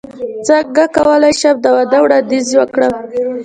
څنګه کولی شم د واده وړاندیز وکړم